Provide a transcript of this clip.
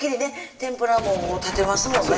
天ぷらも立てますもんね